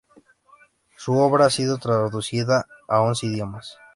Su obra ha sido traducida a once idiomas.